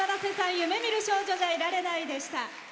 「夢見る少女じゃいられない」でした。